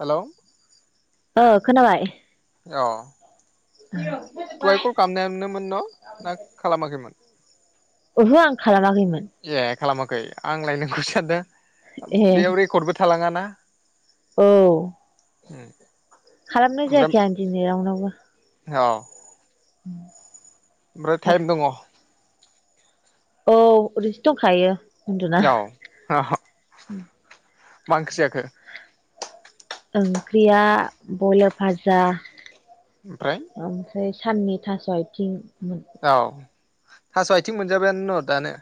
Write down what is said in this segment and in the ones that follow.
Hello ओ खोनाबाय औ दहाय कल खालामनाया नोंनो मोन न' ना खालामाखैमोन? ओहो आं खालामाखै ए खालामाखै आंलाय नोंखौसो सानदों बेयाव रेकर्डबो थालाङा ना औ उम खालामनाय जायाखै आं दिनै रावनावबो औ उम ओमफ्राय टाइम दङ औ ओरैसो दंखायो जाव हा ह [unintelligible] मा ओंख्रि जाखो? ओंख्रिया बयलार फाजा ओमफ्राय ओमफाय साननि थास' आइथिं औ थास' आइथिं मोनजाबायानो न' दानो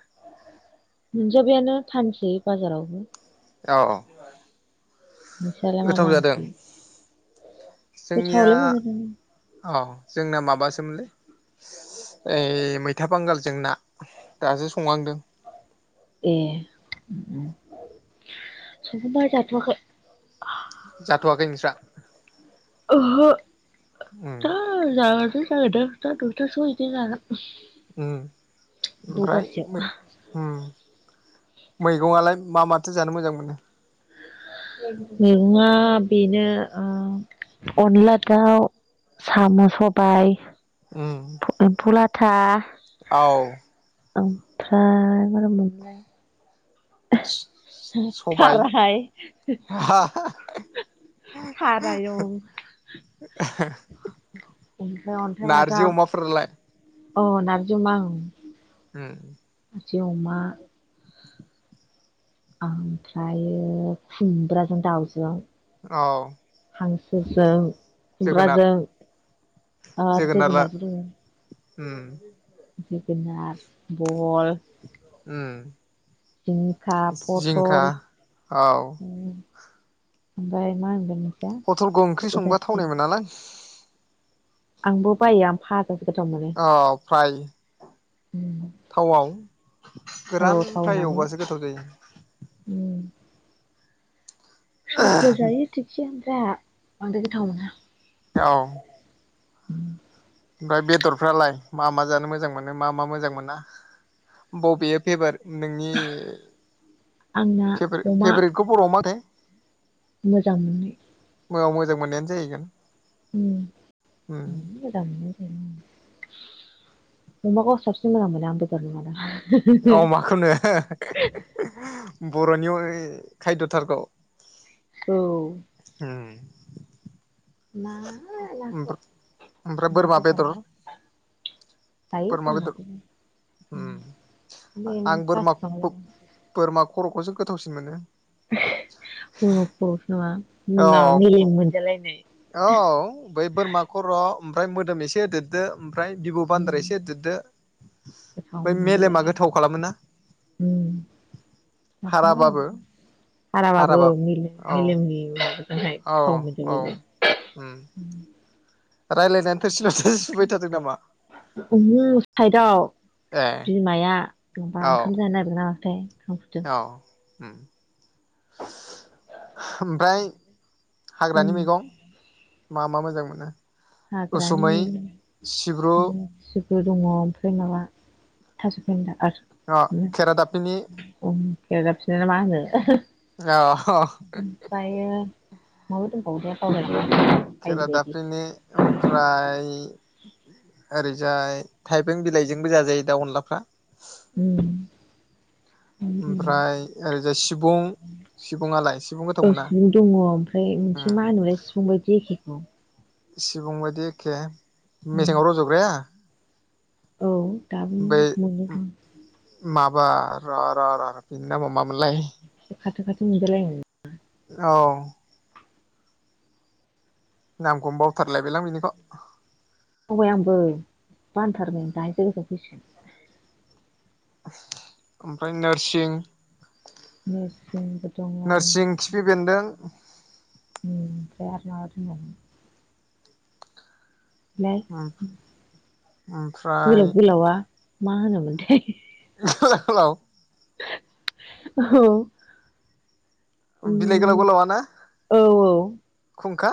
मोनजाबायानो फानसै बाजारावबो औ औ नोंसालाय मा मा ओंख्रि गोथावलाय मोन [unintelligible] औ जोंना माबासोमोनलै ओइ मैथा बांगाल जों ना दासो संहांदों ए संखांबाय जाथ'वाखै जाथ'वाखै नोंस्रा ओहो दा जागोन [unintelligible] उम ओमफ्राय मै उम मैगंआलाय मा माथो जानो मोजां मोनो मैगङा बेनो ओ अनला दाउ साम' सबाइ उम था औ ओमफ्राय बारा मोनलाय थाराय थारायं ओफ्रा अन्थाइ बाजाब अ नारजि अमा ओं [unintelligible] जि अमा ओमफ्रायो खुमब्राजों दाउजों हांसोजों खुमब्राजों आरो जोगोनाबो दोङो उम बेफोरनो आर बो [unintelligible] जिंखा पथल उम ओमफाय मा होनगोन पथलखौ ओंख्रि संबा थावनाय मोनालां आंबो बायो आं फा अ फ्राय थावाव गोरान फ्राय एवबासो गोथाव जायो सोरबा सोरबा जायो थिकसे ओमफ्राय आंहा बांद्राय गोथाव मोना औ उम ओमफ्राय बेदरफ्रालाय मा मा जानो मोजां मोनो मा मा मोजां मोना बबेयो फेभार नोंनि फेबेरे फेभरेटखौ बर'आव मा होनो‌थाय वाव मोजां मोननायानो जाहैगोन उम उम मोजां मोननाय अमाखौ सबसि मोजां मोनानो आं बेदरनि मादाव अ अमाखौनो बर'नि खायद'थारखौ औ उम ना ओ नाखौ [unintelligible] खर'खौसो गोथावसिन मोनो [unintelligible] [unintelligible] मोनजालाय औ बै बोरमा खर'ओम फाय मोदोम एसे देरदो फ्राय बिबौ बान्दार एसे होदेददो़ ओमफाय मेलेमा गोथाव खालामोना हाराबाबो हाराबाब औ नाथाय थाव [unintelligible] ओमहो सायदाव बिमाया होनबा ओंखाम जाननो नागिरखोना नागिराखिथाय ओंखाम गुर्दों। होम ओमफाय हाग्रानि मैगं मा मा मोजां मोनो? हाग्रानि सिब्रु बो दङ' ओमफ्राय माबा थास' फेनदा अ खेरा दापिनि [unintelligible] अ ह [unintelligible] खेरा दाफिनि ओमफ्राय ओरैजाय थाइबें बिलाइजोंबो जाजायो दा अनलाफ्रा ओम औ सिबुं दङ' ओमफ्राय मोनसे मा होनोमोनलाय सिफुं बायदि एखे औ सिबुंबायदि एखे ओम औ दाबो मोनो दां माबा र' र' र' बिनि नामा मा मोनलाय औ नामखौनो बावथारलायबायलै आं बेनिख' बावबाय आंबो [unintelligible] ओमफ्राय नोरसिं नोरसिंबो दङ [unintelligible] मा दं [unintelligible] गोलाव गोलावा मा होनोमोनथाय गोलाव औ बिलाइ गोलाव गोलावाना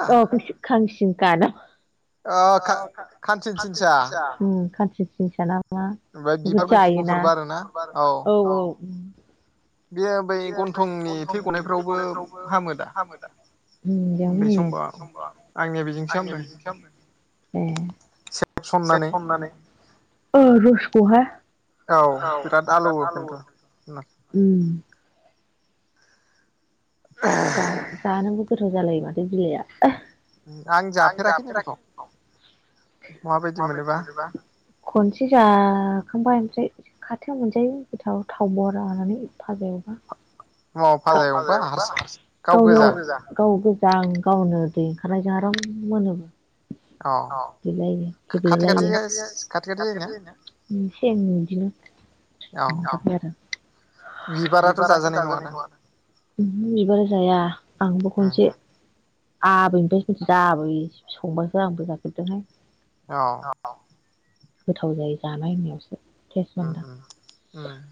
औ [unintelligible] [unintelligible] अ खा खांनसिंसिंसा ओम खांनसिं सिंसाना ना बेखौ जायोना औ औ उम [unintelligible] [unintelligible] औ बिराद आलौवो खिन्थु जानांबो गोथाव जालायो माथो बिलाया आं जाफेराखै माबायदि मोनोबा खनसे जाखांबाय ओमफ्राय खाथो मोनजायो गोथाव थाव बरा होनानै फाजा एवबा [unintelligible] जा ओं गावनो दै ओंखारनायजों आराम मोनो अ गेब्लेलायो गेब्लेलायो [unintelligible] औ बिबाराथ' जाजानाय नङा ना ओमहो बिबारा जाया आंबो खनसे आबैनिफ्रायसो मिथिदों आबै संबासो आंबो जाफेरदोंहाय अ गोथाव जायो जानाय होननायावस ओम ओम ओम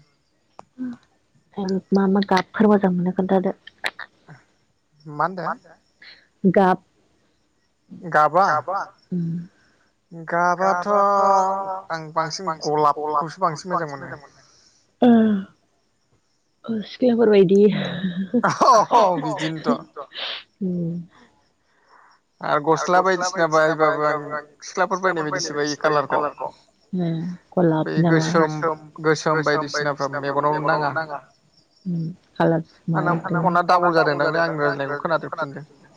मा मा गा फोर मोजां मोनो खोन्थादो मा होनदों गाब गाबा उम गाबाथ' आं बांसिन गलाबखौसो बांसिन मोजां मोनो ओ ओ सिख्लाफोरबायदि अह अह बिदिनोथ उम आरो गस्ला बायदिसिना बायबाबो आं सिख्लाफोर बायनाय बायदिसो बायो कालारखौ गलाब नामा गोसोम गोसोम बायदिसिनाफोरा मेगनाव नाङा उम खालार [unintelligible] दाबल जादों दांलै आं रयज्लायनायखौ खोनाफैफिनदों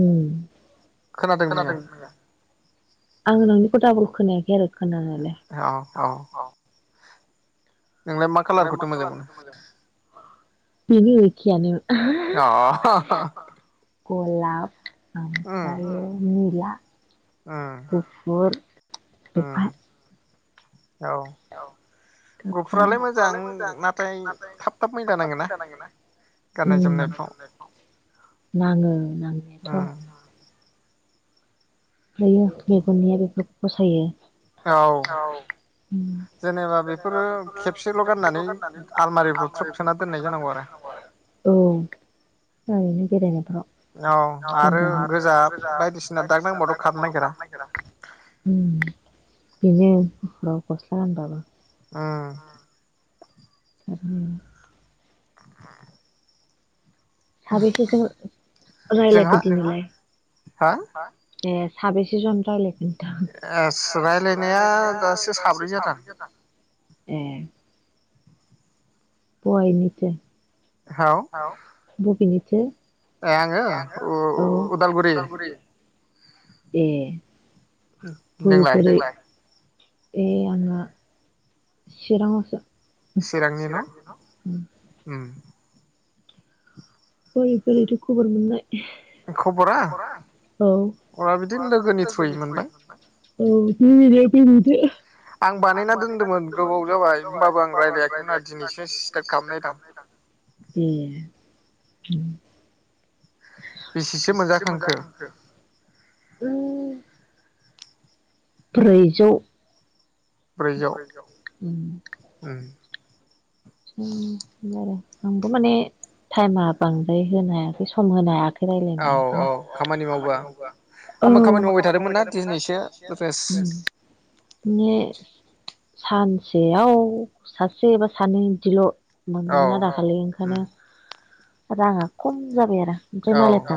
उम खोनादों नोङो आङो नोंनिखौ दाबल खोनायाखै आरो औ औ नोंलाय मा कालारखौथ' मोजां मोनो बेनो एखेयानो अ [unintelligible] गलाप आमफ्रायो निला गुफुर [unintelligible] औ [unintelligible] मोजां नाथाय थाफ थाफ मैला नाङो ना उम गाननाय जोमनायफ्राव नाङो नांनायाथ उम ओमफ्रायो मेगननिया बेफोरखौ फसायो औ जेनेबा बेफोरो खेबसेल' गाननानै आलमारिफ्राव थ्रोब सोना दोननाय जानांगौ आरो औ [unintelligible] बेेरायनाय औ आरो गोजा बायदिसिना दाग नांबाथ उम बिदिनो गुफुराव गस्ला गानबाबो उम [unintelligible] साबैसेथो रायलायखो दिनैलाय ए साबैसे जन रायलायखो एस राय्लायनाया दासो साब्रै जादों ए बयनिथो हाव बबेनि थो ए आङो औ उदालगुरि ए बोरै बोरै नोंलाय ए आङो चिराङावसो चिरां नि न' उम [inaudible] बोरै बोरैथो खबर मोननाय खबरा औ खबरा बिदि लोगोनि थ्रुयै मोनबाय औ [unintelligible] आं बानायना दोनदोंमोन गोबाव जाबाय होमबाबो आं रायज्लायाखैमोन आरोखि [unintelligible] ए ओम बेसेसो मोनजाखांखो ओ ब्रैजौ ब्रैजौ उम उम बारा आंबो माने टाइमा बांद्राय होनो हायाखै सम होनो हायाखै रायलायनो औ औ खामानि मावबा औ आंबो खामानि मावबाय थादोंमोन ना दिनैसो माने सानसेयाव सासे एबा सानै सोल' मोनदोंमोन ना दाखालि ओंखायनो राङा खम जाबाय आरो ओमफ्राय मालायफ्रा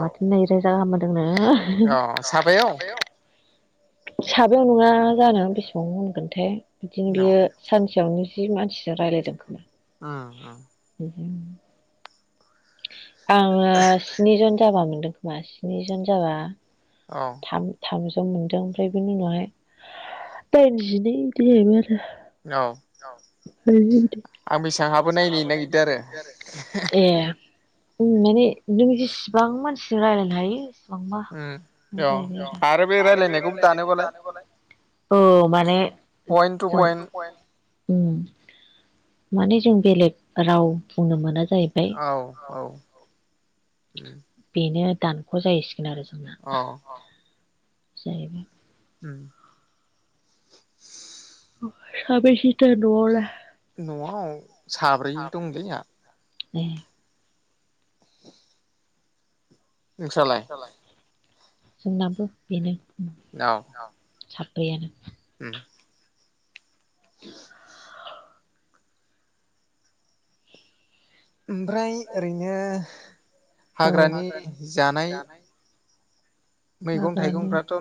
माथो नै [unintelligible] [unintelligible] साबायाव नङा जानो बेसेबां मोनगोनथाय बिदिनो बेयो सानसेयावनो जि मानसिजों रायलायदों खोमा उम उम उम [inaudible] आङो स्नि जन जाबा मोनदों खोमा स्निजन जाबा थां थांज [unintelligible] [unintelligible] ओं माने नों जेसेबां मानसिजों रायलायनो हायो बांबा जाहैबाय आरो औ आरो बे रायलायनायखौ दानोबालाय औ माने पइन्ट टु पइन्ट उम माने जों बेलेग राव बुंनो मोनो। जाहैबाय औ औ। उम। बिनो दानख' जायोसै। सिगोन आरो जोंना। जायोबा उम। साबैसेथो न'आवलाय न'आव साब्रै दंलै जोंहा ए। नोंसालाय? जोंनाबो बेनो। उम औ। साब्रैयानो उम। [inaudible] ओमफ्राय ओरैनो हाग्रानि जानाय। हाग्रानि [unintelligible]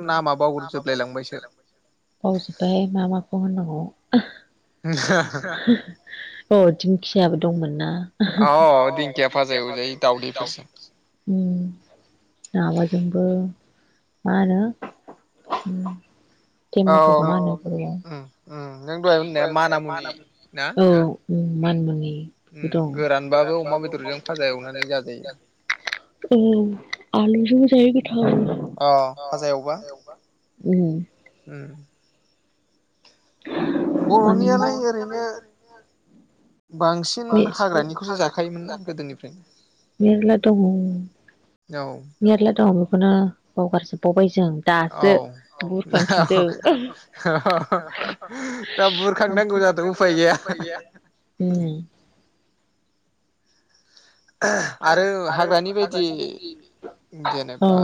बावजोबबाय मा मा? खौ होननांगौ। [unintelligible] औ दिंखियाबो दंमोन ना। [unintelligible] औ दिंखिया फाजा एवजायो दावदै। [unintelligible] उम। माबाजोंबो मा होनो। उम। टिमेथखौ मा होनो? [unintelligible] औ। मानमुनि दं गोरानबाबो अमा बेदरजों फाजा एवनानै जाजायो औ आलुजों [unintelligible] जायो गोन। अ फाजा एवबा उम। बर'नियालाय ओरैनो बांसिन हाग्रानिखौसो जाखायोमोन ना गोदोनिफ्रायनो। मेरला दं मेरला द दं बेखौनो बावगारजोब बावबाय जों दासो बुरखांफिनदों ओह बुरखांनांगौ जादों उफफाय गैया ओम। आरो हाग्रानि बायदि जेनेबा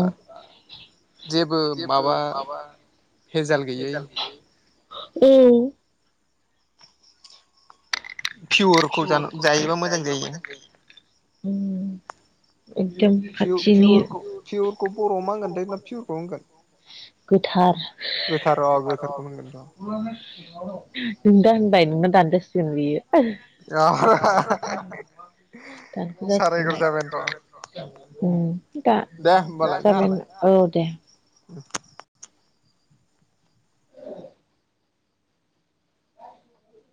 जेबो माबा भेजाल गैयै औ। ओम एकदम खाथिनि गोथार। नों दा होनबाय नोंना दानजासिगोन बियो। [unintelligible] दासो जाफिनबाय ओम। दा जाबायना औ दे। [inaudible] [inaudible]